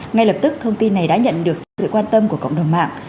ngay lập tức thông tin này đã nhận được sự quan tâm của cộng đồng mạng